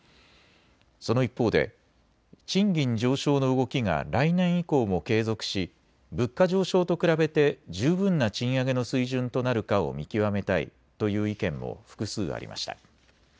その一方で賃金上昇の動きが来年以降も継続し物価上昇と比べて十分な賃上げの水準となるかを見極めたいという意見も複数ありました。